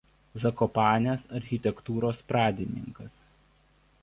Zakopanės architektūros pradininkas.